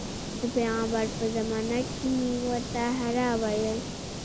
د پیغمبر په زمانه کې یې ورته حرا ویل.